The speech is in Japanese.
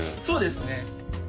そうですね。